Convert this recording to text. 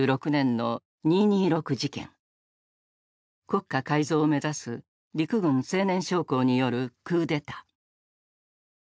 国家改造を目指す陸軍青年将校によるクーデター。